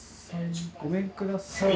ごめんください。